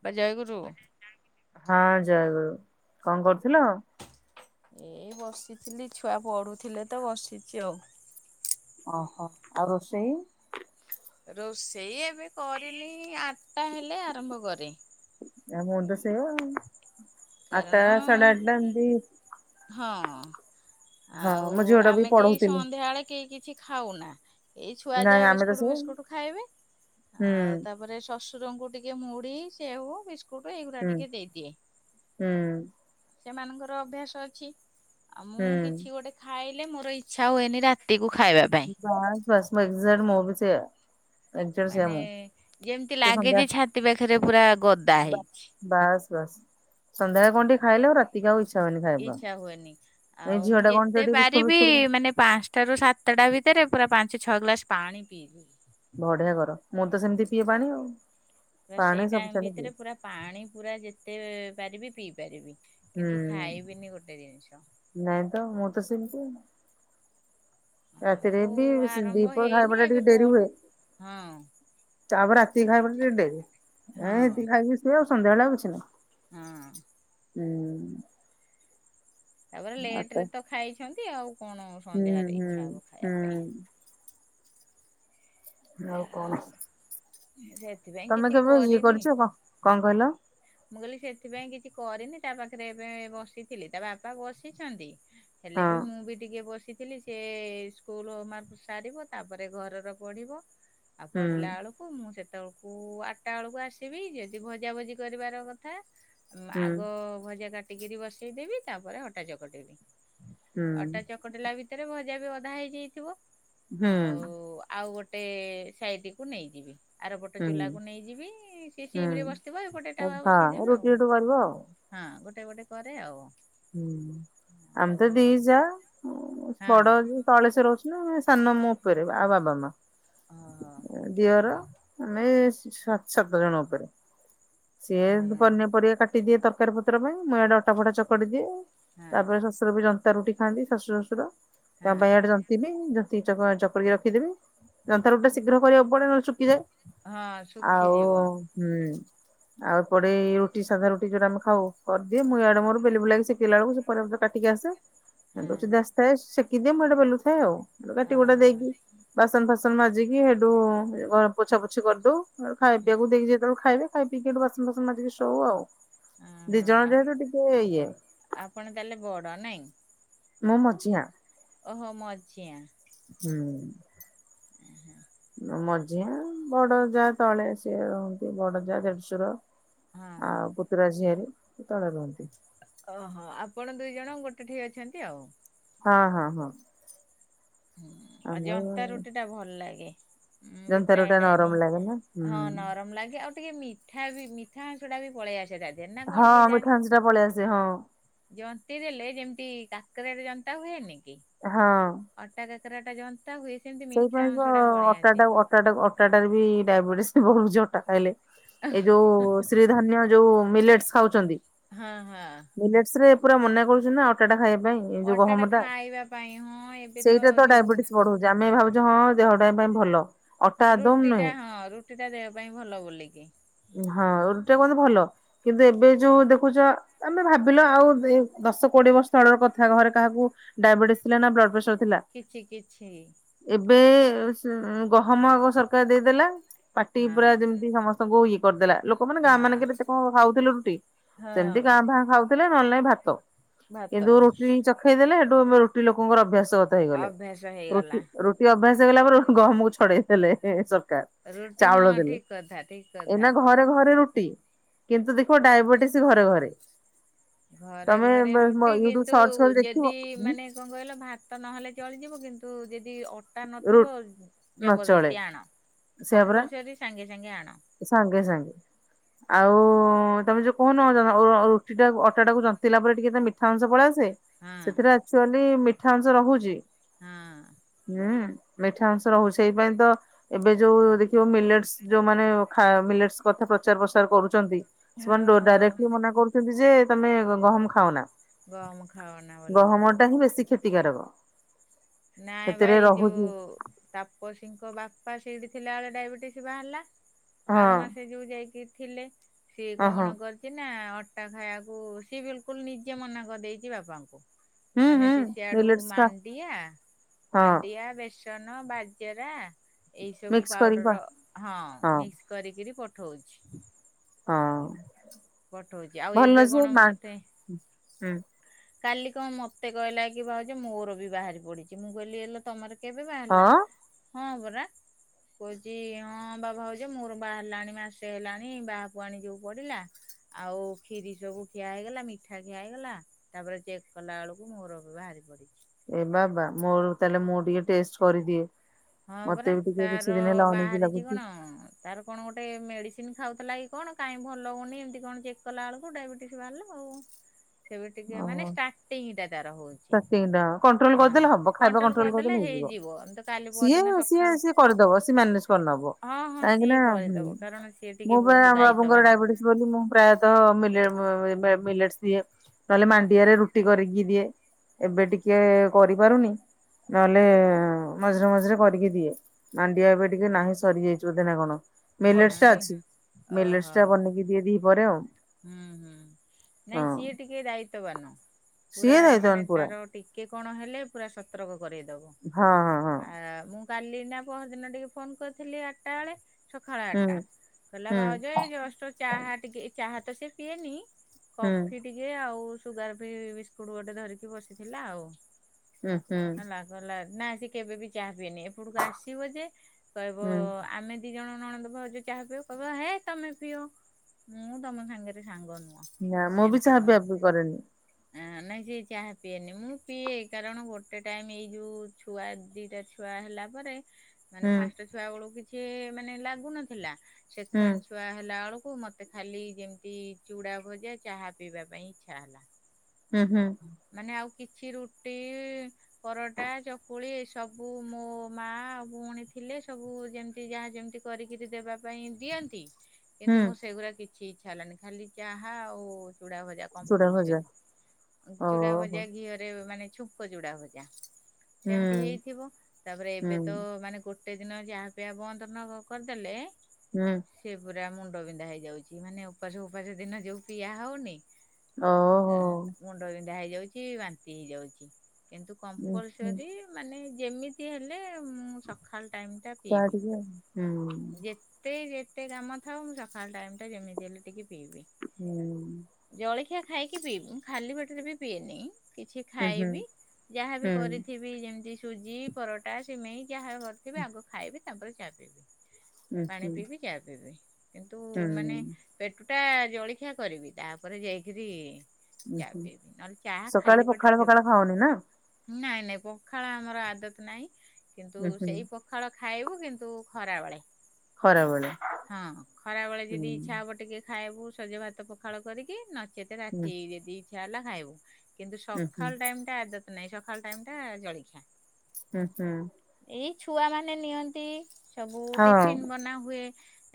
ଅପା ଜୟଗୁରୁ। ହଁ ଜୟଗୁରୁ କଣ କରୁଥିଲ? ଏ ବସିଥିଲି ଛୁଆ ପଢୁଥିଲେ ତ ବସିଛି ଆଉ। ଓହୋ ଆଉ ରୋଷେଇ। ରୋଷେଇ ଏବେ କରିନି ଆଠଟା ହେଲେ ଆରମ୍ଭ କରେ। ଆମ ତ ସେଇଆ ଆଟା କାରଣ ସାଢ଼େ ଆଠଟା ଏମିତି ହଁ ହଁ ଆଉ ମୋ ଝିଅ ଟା ବି ଆମେ କେହି ପଢଉଥିଲି ସନ୍ଧ୍ୟାବେଳେ କେହି କିଛି ଖାଉନା। ଏଇ ଛୁଆ ନାଇଁ ଯାହା ଆମେ ତ ବିସ୍କୁଟ ସେଇଆ ବିସ୍କୁଟ ଖାଇବେ ହୁଁ ଆଉ ତାପରେ ଶଶୁ ଶଶୁର ଟିକେ ମୁଢି ସେଓ ବିସ୍କୁଟ ଏଇଗୁଡା ହୁଁ ଟିକେ ଦେଇଦିଏ। ହୁଁ ସେମାନଙ୍କର ଅଭ୍ୟାସ ଅଛି ଆଉ ମୁଁ ହୁଁ କିଛି ଗୋଟେ ଖାଇଲେ ମୋର ଇଛା ହୁଏନି ରାତିକୁ। ଖାଇବା ପାଇଁ। ଭସ୍ମ ଏକ୍ଜାଟ ମୋଭିିଛି [inaudible] ମାନେ ଯେମିତି ଲାଗେ ସନ୍ଧ୍ୟା ଯେ ଛାତି ପାଖରେ ପୁରା ଗଦା ହେଇଛି। ବାସ ବାସ୍ ସନ୍ଧ୍ୟାଳେ କଣ ଟିକେ ଖାଇଲେ ଆଉ ରାକୁ ଇଛା। ଇଚ୍ଛା ହୁଏନି ଆଉ ମୁଁ ଟା କଣ ଯେତେ ଟିକେ ବିସ୍କୁଟ ପାରିବି ଫିସ୍କୁଟ କଣ ମାନେ ପାଞ୍ଚଟା ରୁ ସାତଟା ବି [inaudible] ଭିତରେ ପୁରା ପାଞ୍ଚ ଛଅ ଗ୍ଲାସ ପାଣି ପିଇବି। ବଢିଆ କର ମୁଁ ତ ସେମିତି ପିଏ ପାଣି ଆଉ। ପାଣି ସେଇ ଟାଇମ ସଫିସେଣ୍ଟ ପିଏ ଭିତରେ ପୁରା ପାଣି ପୁରା ଯେତେ ପାରିବି ପିଇ ପାରିବି। ହୁଁ କିନ୍ତୁ ଖାଇବିନି ଗୋଟେ ଜିନିଷ। ନାଇଁ ତ ମୁଁ ତ ସେଇମିତି କା। ରାତିରେ ଆଉ ବି ଆରମ୍ଭ ଦିପହର ହେଇନି ଖାଇବାା ଏବେ ଟିକେ ପ ଡେରି ହୁଏ। ହଁ ତ ପରେ ରାତି ଖାଇବା ଟିକେ ଡେରି ହଁ ଏ ସେତିକି ଖାଇକି ସ ଆଉ ସନ୍ଧ୍ୟା ବେଳେ କିଛି ନାହିଁ। ହଁ ହୁଁ ତାପରେ ଆତ ଲେଟରେ ତ ଖାଇଛନ୍ତି ଆଉ କଣ ହୁଁ ସଂଧ୍ୟାରେ ହୁଁ ଇଛା ହବ ଖାଇବା ପାଇଁ। ହୁଁ ଆଉ କଣ ସେଥିପାଇଁ ତମେ କିଛି କେବେ ଇଏ କରିନି। କରୁଛ କଣ କହିଲ। ମୁଁ କହିଲି ସେଥିପାଇଁ କିଛି କରିନି ତା ପାଖରେ ଏବେ ବସିଥିଲି ତା ବାପା ବସିଛନ୍ତି। ହେଲେ ହଁ ବି ମୁଁ ବି ଟିକେ ବସିଥିଲି ସେ ସ୍କୁଲ ହୋମାୱାର୍କ ସାରିବ ତାପରେ ଘରର ପଢିବ। ଆଉ ହୁଁ ପଡିଲା ବେଳକୁ ମୁଁ ସେତେବେଳକୁ ଆଠଟା ବେଳକୁ ଆସିବି ଯଦି ଭଜା ଭଜି। କରିବାର କଥା ହୁଁ ଆଗ ଭଜା କାଟିକିରି ବସେଇଦବି ତାପରେ ଅଟା ଚକଟି ବି। ହୁଁ ଅଟା ଚକଟିଲା ଭିତରେ ଭଜା ବି ଅଧା ହେଇଯାଇଥିବ। ହୁଁ ଆଉ ଆଉ ଗୋଟେ ସାଇଟିକୁ ନେଇଯିବି ଆର ପଟ ହୁଁ ଚୁଲାକୁ ନେଇଯିବି ସେ ସିମ୍ ରେ ହୁଁ ବସିଥିବ ଏପଟେ। ତାୱା ହଁ ବସେଇଦେବି ଆଉ। ରୁଟି ରୁଟି କରିବ ଆଉ ହଁ ଗୋଟେ ଗୋଟେ କରେ ଆଉ। ଆମେ ଆଉ ତ ଦି ହଁ ଯା ବଡ ତଳେସେ ରହୁଛୁ। ସାନ ମୋ ଉପରେ ଆଉ ବାବା ମା ଓହୋ ଦିଅର। ଆମେ ସାତ ସାତ ଜଣ ଉପରେ ସିଏ ଓହୋ ପନିପରିବା କାଟିଦିଏ ତର ତରକାରୀ ପତ୍ର ପାଇଁ ମୁଁ ଇଆଡେ ଅଟା ଫଟା ଚକ ଦିଏ ହଁ ତାପରେ ଶ୍ୱଶୁର ବି ଜନ୍ତା ରୁଟି ଖାନ୍ତି ଶାଶୁ ଶ୍ୱଶୁର। ତା ହଁ ବାଇଆଡେ ଯନ୍ତି ଲି। ଚକରିକିଖି ଦେବି ଯନ୍ଥର ଗୋଟେ ଶୀଘ୍ର କରିବାକୁ ପଡେ ଶୁଖିଯାଏ। ହଁ ଆଉ ଶୁଖିଯିବ ହୁଁ! ଆଉ ପଡେଇ ରୁଟି ସାଧା ରୁଟି ଯୋଉଟା ଆମେ ଖାଉ କରିଦିଏ। ମୁଁ ଏଇଆଡେ ମୋର ବେଲି ବୁଲାକି ଶେକିଲା ବେଳକୁ ପରିବା ପତ୍ର କାଟିକି ଆସେ। ହଁ ଆସିଥାଏ ସେକି ଦିଏ ମୁଁ ଆଡ଼େ ବେଲୁଥାଏ ଆଉ। କାଟି କୋଟା ଓହୋ ଦେଇକି ବାସନ ଫାସନ ମାଜିକି ସେଠୁ ଏ ଘର ପୋଛା ପୋଛି କରିଦେଉ। ଖାଆ ପିଆକୁ ଦେଇକି ଯେତେବେଳେ ଖାଇବେ ଖାଇ ପିକି ସେଠୁ ବାସନ ଫାସନ ମାଜିକି ଶୋଭ ଆଉ। ଦି ଓହୋ ଜଣ ଯେହେତୁ ଟିକେ ଇଏ ଆପଣ ତା ହେଲେ ବଡ ନାଇଁ? ମୁଁ ମଝିଆଁ! ଓହୋଃ ମଝିଆଁ। ହୁଁ! ଉୁଁ ହୁଁ [inaudible] ମଝିଆଁ ବଡ ଯା ତଳେ ସିଏ ରୁହନ୍ତି ବଡ ଯା ଦେଢଶୁର। ହଁ ଆଉ! ପୁତୁରା, ଝିଅରେ ତଳେ ରୁହନ୍ତି। ଓହୋଃ ଆପଣ ଦୁଇ ଜଣ ଗୋଟେ ଠେଇଁ ଅଛନ୍ତି ଆଉ! ହଁ ହଁ ହଁ! ହୁଁ! ଆଉ ଯନ୍ତା ରୁଟି ଟା ଭଲ ଲାଗେ। ମୁଁ ବି ଯନ୍ତା ପ୍ରାୟ ରୁଟି ଟା ଟାଇମ ନରମ ଲାଗେ ନା। ହୁଁ! ହଁ ନରମ ଲାଗେ ଆଉ ଟିକେ ମିଠା ବି ମିଠା ଆଞ୍ଚଟା ବି ପଳେଇ ଆସେ। ତା ଦେହରେ ନା କଣ ହଁ କେଜାଣି ମିଠା ଅଂଶଟା ପଳେଇ ଆସେ, ହଁ। ଜନ୍ତି ଦେଲେ ଯେମିତି କାକରାରେ ଜନ୍ତା ହୁଏନି କି? ହଁ। ଅଟା କା କାକରା ଟା ଯ ସେଇପାଇଁ ତ ଅଟାଟାକୁ ଅଟାଟାକୁ ଅଟାଟାରେ ବି ଡାଇବେଟିସ୍ ବଢୁଛି ଅଟା ଖାଇଲେ। ଏଇ ଯୋଉ ଶ୍ରୀଧନ୍ୟ ଯୋଉ ମିଲେଟ୍ସ୍ ଖାଉଛନ୍ତି? ହଁ, ହଁ! ମିଲେଟସ୍ ରେ ପୁରା ମନା କରୁଛି ନା ଅଟାଟା ଖାଇବା ପାଇଁ ଏ ଯୋଉ ଗହମ ଅଟାଟା ଟା। ଖାଇବା ପାଇଁ। ହଁ ଏବେ ତ ଯୋଉ ଭାବୁଛି ହଁ ଦେହଟା ପାଇଁ ଏ ଭଲ ଅଟା ଆଦୌ ରୁଟି ଟା ନୁହେଁ। ହଁ ରୁଟି ଟା ଦେହ ପାଇଁ ଭଲ ବୋଲି କି। ହଁ! ରୁଟି ଟା କୁହନ୍ତୁ ଭଲ କିନ୍ତୁ ଏବେ ଯୋଉ ଦେଖୁଛ ଆମେ ଭାବିଲ ଆଉ ଏ ଦଶ, କୋଡିଏ ବର୍ଷ ତଳର କଥା ଘରେ କାହାକୁ ଡାଇବେଟିସ୍ ଥିଲା ନା ବ୍ଲଡପ୍ରେସର କିଛି କିଛି! ଏବେ ସ ଗହମ ଆଗ ସରକାର ଦେଇଦେଲା ପାଟି ହଁ। ପୁରା ଯେମିତି ସମସ୍ତଙ୍କୁ ଇଏ କରିଦେଲା ଲୋକମାନେ ଗାଁ ହଁ ମାନେଙ୍କରେ ଏତେ କଣ ଖାଉଥିଲେ ରୁଟି? ସେମିତି ହଁ କାଁ ବାଁ ଖାଉଥିଲେ ନହେଲେ ନାଇଁ ଭାତ। ଭାତ। କିନ୍ତୁ ରୁଟି ଚଖେଇ ଦେଲେ ହେଠୁ ବ ରୁଟି ଲୋକଙ୍କର ଅଭ୍ୟାସ। ଗତ ହେଇଗଲେ ଅଭ୍ୟାସ ରୁଟି ହେଇଗଲା ରୁଟି ଅଭ୍ୟାସ ହେଇଗଲା ପରେ ଗହମକୁ ଛଡେଇ ଦେଲେ ସରକା ରୁଟି ହଁ ଠିକ କଥା ଠିକ କ ଏନା ଘରେ ଘରେ ରୁଟି। କିନ୍ତୁ ଦେଖିବ ଡାଇବେଟିସ୍ ଘରେ ଘରେ। ଘରେ ତମେ ଘରେ ରୁଟି ୟୁଟ୍ୟୁବ କିନ୍ତୁ ସର୍ଚ୍ଚ କରି ଯଦି ଦେଖିବ ମାନେ କଣ କହିଲ! ଭାତ ନହେଲେ ଚଳିଯିବ। କିନ୍ତୁ ତୁ ଯଦି ଅଟା ରୁ ନଥିବ ନଚଳେ ଜବରଦସ୍ତି ଆଣ। ସେଆ ପରା। କମ୍ପଲସରୀ ସାଙ୍ଗେ ସାଙ୍ଗେ ଆଣ ସାଙ୍ଗେ ସାଙ୍ଗେ ଆଉ ଓ! ତମେ ଯୋଉ କହୁନ ଅ ଓଃ ରୁଟିଟା ଅଟା ଟାକୁ ଜନ୍ତିଲା ପରେ ଟିକେ ତେ ମିଠା ଅଂଶ ପଳେଇ ଆସେ ହଁ ସେଥିରେ ଆକଚୁଆଲି ମିଠା ଅଂଶ ରହୁଛି ହଁ। ହୁଁ। ମିଠା ଅଂଶ ରହୁଛି ସେଇପାଇଁ ତ ଏବେ ଯୋଉ ଦେଖିବ ମିଲ୍ଟେସ୍ ଯୋଉମାନେ ଖା ମିଲ୍ଟେସ୍ କଥା ପ୍ରଚାର ପ୍ରସାର କରୁଛନ୍ତି। ହଁ ସେମାନେ ଡୋ ହଁ ଡାଇରେକ୍ଟଲି ମନା କରୁଛନ୍ତି ଯେ ତମେ ଗହମ ଖାଅନା। ଗହମ ଖାଅନା ବୋଲି କିି। ଗହମ ଟା ହିଁ ବେଶୀ କ୍ଷତିକାରକ। ନାଇ ବା ସେଥିରେ ଏଇ ଯେଉଁ ରହୁଛି ତାପସୀଙ୍କ ବାପା ସେଇଠି ଥିଲା ବେଳେ ଡାଇବେଟିସ୍ ବାହାରିଲା। ହଁ ଆର ମାସେ ଯୋଉଁ ଯାଇକି ଥିଲେ। ସିଏ ଅ ହଁ କଣ କରିଛି ନା ଅଟା ଖାଇବାକୁ ସିଏ ବିଲକୁଲ ନିଜେ ମନା କରିଦେଇଛି ବାପାଙ୍କୁ। ହୁଁ ମାନେ ହୁଁ ସେ ସିଆଡୁ ମିଲେଟ୍ସ ଟା ମାଣ୍ଡିଆ ହଁ ମାଣ୍ଡିଆ, ବେସନ, ବାଜରା। ଏଇ ସବୁ ମିକ୍ସ କରିକି ପା ପାଉଡର ହଁ ମିକ୍ସ କରିକିରି ପଠଉଛି। ହଁ। ପଠଉଛି ଆଉ ଏବେ ଭଲ ଯେ କଣ ମା ମତେ ହୁଁ କାଲି କଣ ମତେ କହିଲା କି ଭାଉଜ ମୋର ବି ବାହାରି ପଡିଛି ମୁଁ କହଲି ହେଲେ ତମର କେବେ ବାହାରିଲା ହଁ ହଁ ପରା! କହୁଛି ହଁ ବା ଭାଉଜ ମୋର ବାହାରିଲାଣି ମାସେ ହେଲାଣି ବାହାକୁ ଆଣି ଯଉ ପଡିଲା। ଆଉ ଖିରି ସବୁ ଖିଆ ହେଇଗଲା ମିଠା ଖିଆ ହେଇଗଲା ତାପରେ ଚେକ୍ କଲା ବେଳକୁ ମୋର ବାହାରି ପଡିଛି। ଏ ବାବା ମୋର ତାହେଲେ ମୁଁ ଟିକେ ଟେଷ୍ଟ କରିଦିଏ। ହଁ ପରା ମତେ ବି ଟିକେ ତାର କିଛି ଦିନ ହେଲା ଅନେଇକି ବାହାରିଛି ଲାଗୁଛି କଣ ତାର କଣ ଗୋଟେ ମେଡିସି ଚିନ ଖାଉଥିଲା କି କଣ କାହିଁ ଭଲ ହଉନି ଏମିତି କଣ ଚେକ୍ କଲା ବେଳକୁ ଡାଇବେଟିସ୍ ବାହାରିଲା ଆଉ ସେବେ ଟିକେ ମାନେ ଓହୋ ଷ୍ଟାର୍ଟିଙ୍ଗଟା ତାର ହଉଛି ଷ୍ଟାର୍ଟିଂ ଟା କଣ୍ଟ୍ରୋଲ ହଁ କରିଦେଲେ ହବ କଣ୍ଟ୍ରୋଲ କରିଦେଲେ ହେଇ ଯିବ ତ କାଲି ଯିଏ ପରଦିନ ସିଏ ସକାଳୁ ସିଏ କରିଦବ ସିଏ ମ୍ୟାନେଜ କରିନବ ହଁ ହଁ ସିଏ କାହିଁକିନା ହୁଁ କରିଦବ କାରଣ ସିଏ ଟିକେ ମୁଁ ବା ବହୁତ ବାବୁଙ୍କର ଦାୟିତ୍ୱବାନ ଡାଇବେଟିସ୍ ବୋଲି ମୁଁ ପ୍ରାୟତ ମିଲେ-ମ-ମ-ମିଲେଟ୍ସ ଇଏ ନହେଲେ ମାଣ୍ଡିଆରେ ରୁଟି କରିକି ଦିଏ ଏବେ ଟିକେ କରିପାରୁନି। ନହେଲେ ମଝିରେ ମଝିରେ କରିକି ଦିଏ ମାଣ୍ଡିଆ ଏବେ ଟିକେ ନାହିଁ ସରିଯାଇଚି ବୋଧେ ନା କଣ। ହଁ ମେଲେସ୍ ଟା ନ ଅଛି ଓହୋ [unintelligible] ବନେଇକି ଦିଏ ଦି ପ୍ରହରେ ଆଉ। ହୁଁ ହୁଁ ନାଇଁ ହଁ ସିଏ ଟିକେ ଦାୟିତ୍ୱବାନ୍। ପୁରା ସିଏ ଯାଇଛନ୍ ମାନେ ପୁରା। ତାର ଟିକେ କଣ ହେଲେ ପୁରା ସତର୍କ। କରେଇଦବ ହଁ ହଁ ହଁ ଆ ମୁଁ କାଲି ନା ପହର ଦିନ ଟିକେ ଫୋନ କରିଥିଲି ଆଠଟା ବେଳେ ସକାଳ ହୁଁ ଆଠଟା କହିଲା ହୁଁ ଭାଉଜ ଏଇ ଜଷ୍ଟ୍ ଚାହା ଟିକେ ଚାହା ତ ସେ ପିଏନି। ହୁଁ କଫି ଟିକେ ଆଉ ସୁଗାର ଫି ବିସ୍କୁଟ୍ ଗୋଟେ ଧରିକି ବସିଥିଲା ଆଉ। ହୁଁ ହୁଁ। [unintelligible] ଗଲା ନା ସେ କେବେ ବି ଚା [unintelligible] ଏପଟକୁ ଆସିବ ଯେ କହିବ ହୁଁ ଆମେ ଦି ଜଣ ନଣଦ ଭାଉଜ ଚାହା ପିଅ କହିବ ହେ ତମେ ପିଅ ମୁଁ ତମ ସାଙ୍ଗରେ ସାଙ୍ଗ ନୁହଁ ନା ମୁଁ ବି ଚାହା ପିଆ ପୁଇ କରେନି। ଆ ନାଇଁ ସେ ଚାହା ପିଏନି ମୁଁ ପିଏ କାରଣ ଗୋଟେ ଟାଇମ୍ ଏଇ ଯୋଉ ଛୁଆ ଦିଟା ଛୁଆ। ଛୁଆ ହେଲା ପରେ ମାନେ ହୁଁ ଫାଷ୍ଟ୍ ଛୁଆ ବେଳକୁ କିଛି ମାନେ ଲାଗୁନଥିଲା ହୁଁ ସେକେଣ୍ଡ୍ ଛୁଆ ହେଲା ବେଳକୁ ମତେ ଖାଲି ଯେମିତି ଚୁଡ଼ା ଭଜା ଚାହା ପିଇବା ପାଇଁ ଇଚ୍ଛା ହେଲା। ହୁଁ ହୁଁ। ମାନେ ଆଉ କିଛି ରୁଟି, ପରଟା, ଚକୁଳି ଏସବୁ ମୋ ମା ଆଉ ପୁଣି ଥିଲେ ସବୁ ଯେମିତି ଯାହା ଯେମତି କରିକିରି ଦବା ପାଇଁ ଦିଅନ୍ତି। ହୁଁ କିନ୍ତୁ ମୋର ସେଗୁରା କିଛି ଇଚ୍ଛା ହେଲାନି ଖାଲି ଚାହା ଆଉ ଚୁଡ଼ା ଭଜା ଚୁଡା ଭଜା କମ୍ପଲସରି ଚୁଡ଼ା ଓହୋ ଭଜା ଘିଅରେ ମାନେ ଛୁଙ୍କ ଯୋଉଡା [unintelligible] ହୁଁ। ସେମିତି ହେଇଥିବ ତାପରେ ଏବେ ହୁଁ ତ ମାନେ ଗୋ ଗୋଟେ ଦିନ ଚାହା ପିଆ ବନ୍ଦ ନ କରିଦେଲେ ହୁଁ। ସେ ପୁରା ମୁଣ୍ଡ ବିନ୍ଧା ହେଇଯାଉଚି ମାନେ ଉପାସ ଉପାସ ଦିନ ଯଉ ପିଆ ହଉନି। ଓ ହୋ। [unintelligible] ହେଇଯାଉଚି ବାନ୍ତି ହେଇଯାଉଚି କିନ୍ତୁ ଉଁ ହୁଁ କମ୍ପଲସରି ମାନେ ଯେମିତି ହେଲେ ମୁଁ ସକାଳ ଟାଇମ୍ ଟା ପିଏ ଯା ଟିକେ ହୁଁ ଯେତେ ଯେ ଯେତେ କାମ ଥାଉ ମୁଁ ସକାଳ ଟାଇମ୍ ଟା ଯେମିତି ହେଲେ ଟିକେ ପିଇବି ହୁଁ ଜଳି [unintelligible] ଖାଇକି ପିଇବି ଖାଲି ପେଟରେ ବି ପିଏନି। କିଛି ଉଁ ହୁଁ ହୁଁ ଖାଇବି ଯାହାବି ଉଁ କରିଥିବି ଯେମିତି ସୁଜି, ପରଟା, ସିମେଇ। ଯାହା କରିଥିବି ଆଗ ଖାଇବି ତାପରେ ଚାହା ପିଇବି ପାଣି ହୁଁ ପିଇବି ଚାହା ପିଇବି। କିନ୍ତୁ ହୁଁ ମାନେ ପେଟୁ ଟା ଜଳଖିଆ କରିବି ତାପରେ ଯାଇକରି ଉଁ ଚା ହୁଁ ପିଇବି ନହେଲେ ଚାହା ସକାଳେ ଖାଲି ପଖାଳ ପେଟରେ କେବେ ଫଖାଳ ଖାଅନି ନା ନାଇଁ। ନାଇଁ ପଖାଳ ଆମର ଆଦତ ନାହିଁ କିନ୍ତୁ ଉଁ ହୁଁ ସେଇ ପଖାଳ ଖାଇବୁ କିନ୍ତୁ ଖରାବେଳେ। ଖରାବେଳେ ହଁ ଖରାବେଳେ ହୁଁ ଯଦି ଇଚ୍ଛା ହବ ଟିକେ ଖାଇବୁ ସଜ ଭାତ ପଖାଳ କରିକି ନଚେତ୍ ହୁଁ ରାତି ରେ ଯଦି ଇଚ୍ଛା ହେଲା ଖାଇବୁ। କିନ୍ତୁ ଉଁ ହୁଁ ସକାଳ ଟାଇମ୍ ଟା ଆଦାତ ନାଇଁ ସକାଳ ଟାଇମ୍ ଟା ଜଳଖିଆ। ହୁଁ ହୁଁ। ଏଇ ଛୁଆ ମାନେ ନିଅନ୍ତି। ସବୁ ହଁ ଟିଫିନ୍ ବନା ହୁଏ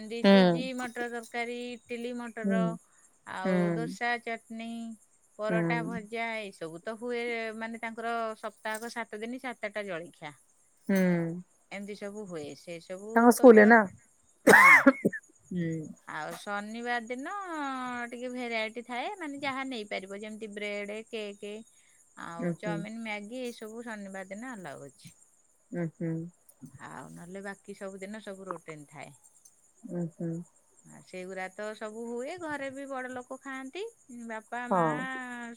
ଏମତି ହୁଁ ସୁଜି, ମଟର ତରକାରୀ, ଇଟିଲି, ହୁଁ ମଟର। ଆଉ ହୁଁ ଦୋସା, ଚଟନୀ, ହୁଁ ପରଟା, ଭଜା ଏସବୁ। ତ ହୁଏ ମାନେ ତାଙ୍କର ସପ୍ତାହକ ସାତ ଦିନି ସାତଟା ଜଳିଖିଆ। ହୁଁ। ସବୁହୁଏ। ତାଙ୍କ ସ୍କୁଲ୍ ରେ ନା [unintelligible] ହୁଁ। ଆଉ ଶନିବାର ଦିନ ଟିକେ ଭେରାଇଟି ଥାଏ। ମାନେ ଯାହା ନେଇପାରିବ ଯେମତି ବ୍ରେଡ, କେକ୍, ଉଁ ଆଉ ହୁଁ ଚାଓମିନ୍, ମ୍ୟାଗି ଏସବୁ। ସବୁ ଶନିବାର ଦିନ ଆଲାଉ ଅଛି। ହୁଁ ହୁଁ। କି ସବୁ ଦିନ ସବୁ ରୋଟିନ୍ ଥାଏ। ଉ ହୁ। ଆଉ ସେଇଗୁଡା ତ ସବୁ ହୁଏ। ଘରେ ବି ବଡ ଲୋକ ଖାଆନ୍ତି। ବାପା ମା ହଁ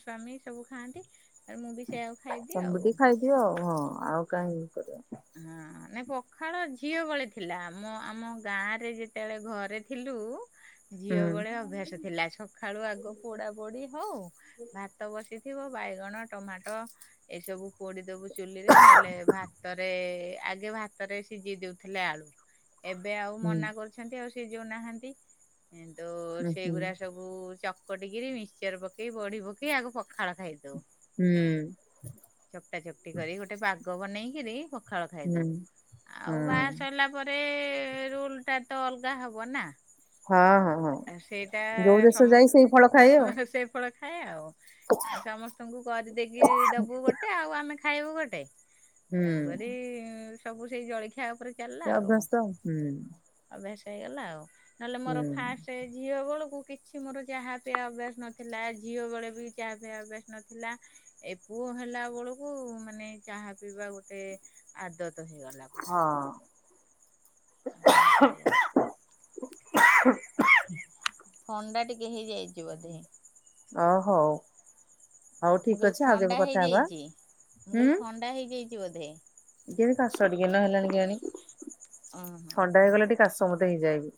ସ୍ଵାମୀ ସବୁ ଖାଆନ୍ତି। ଆଉ ମୁଁ ବି ସେଇଆକୁ ଖାଇଦିଏ ତମବି ଆଉ। ଟିକେ ଖାଇଦିଅ ଆଉ ହଁ ଆଉ କାହିଁ ଇ କର। ହଁ ନାଇଁ ପଖାଳ ଝିଅ ବଳେ ଥିଲା। ମ ଆମ ଗାଁ ରେ ଯେତେବେଳେ ଘରେ ଥିଲୁ ଝିଅ ହୁଁ ବଳେ ଅଭ୍ୟାସ ଥିଲା। ସକାଳୁ ଆଗ ପୋଡା ପୋଡି ହଉ ଭାତ ବସି ଥିବ ବାଇଗଣ, ଟମାଟୋ ଏ ସବୁ ପୋଡିଦବୁ ଚୁଲିରେ ନହେଲେ ଭାତରେ ଆଗେ ଭାତରେ ସିଝି ଦଉଥିଲେ ଆଳୁ। ଏବେ ଆଉ ହୁଁ ମନା କରୁଛନ୍ତି ଆଉ ସେ ଯୋଉ ନାହାନ୍ତି। ଏ ତୁ ଉଁ ହୁଁ ସେଇଗୁଡା ସବୁ ଚ ପଟିକିରି ମିକସଚର ପକେଇି ବଢି ପକେଇ ଆକୁ ପଖାଳ ଖାଇଦଉ। ହୁଁ ଚକଟା ଚକଟି କରି ଗୋଟେ ପାଗ ବନେଇକିରି ପ ପଖାଳ ହୁଁ ଖାଇଦେଉ ହୁଁ ଆଉ ବାହା ସରିଲା ପରେ ରୁଲଟା ତ ଅଲଗା ହେବ ନା। ହଁ ହଁ ହଁ। ସେଇଟା ଯୋଉ ଦେଶ ସମସ୍ତ ଯାଇ ସେଇ ଫଳ ଖାଏ ଆଉ। ସେ ଫଳ ଖାଏ ଆଉ ସମସ୍ତଙ୍କୁ କରିଦେଇକି ଦବୁ ଗୋଟେ ଆଉ ଆମେ ଖାଇବୁ ଗୋଟେ। ହୁଁ ତେଣୁକରି ସବୁ ସେଇ ଜଳଖିଆ। ଖିଆ ଉପରେ ଚାଲିଲା ସେ ଆଉ ଅଭ୍ୟସ୍ତ ହୁଁ ଅଭ୍ୟାସ ହେଇଗଲା ଆଉ। ନହେଲେ ମୋର ହୁଁ ଫାଷ୍ଟ ଝିଅ ବେଳକୁ କିଛି ମୋର ଚାହା ପିଇବା ଅଭ୍ୟାସ ନଥିଲା ଝିଅ ବେଳେ ବି ଚାହା ପିଇବା ଅଭ୍ୟାସ ନଥିଲା। ଏପୁଅ ହେଲା ବେଳୁ ମାନେ ଚାହା ପିଇବା ଗୋଟେ ଆଦତ ହେଇଗଲା ପୁରା ହଁ। ଆଉ କଣ କରିବ। ଥଣ୍ଡା ଟିକେ ହେଇଯାଇଛି ବଧେ? ଓ ହଉ ହଉ ଠିକ ଅଛି ଆଉ କେବେ ଥଣ୍ଡା କଥା ହେବା। ହେଇଯାଇଛି ମୁଁ ହୁଁ କହିଲି ଥଣ୍ଡା ହେଇଯାଇଛି ବୋଧେ ଯଦି କାଷ ଟିକେ ନହେଲାଣି। ଓହୋ। ଥଣ୍ଡା ହେଇଗଲା ଟିକେ କାଶ ମୋତେ ହେଇଯାଏବି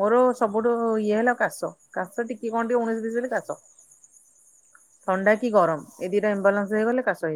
ମୋର ସବୁଠୁ ଇଏ ହେଲା କାଶ କାସ ଟିକେ କି କଣ ଟ ଉଣେଇଶି ବିଶ ହେଲେ କାଶ ଥଣ୍ଡା କି ଗରମ ଏଇ ଦିଟା ଇମ୍ବାଲାନ୍ସ ହେଇଗଲେ କାଶ ହେଇଯିବ।